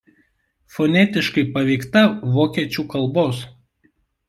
Fonetiškai paveikta vokiečių kalbos.